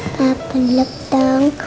papa luk dong